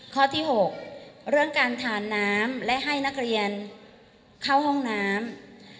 ข้อที่๖เรื่องการทานน้ำและให้นักเรียนเข้าห้องน้ำ